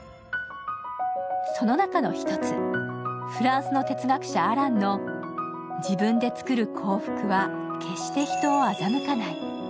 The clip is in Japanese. その中の一つ、フランスの哲学者アランの自分で作る幸福は、決して人を欺かない。